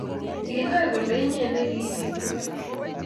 Kikinai kole iye ne kiiri kurget